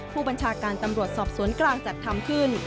ผู้บัญชาการตำรวจสอบสวนกลางจัดทำขึ้น